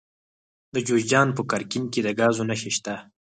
د جوزجان په قرقین کې د ګازو نښې شته.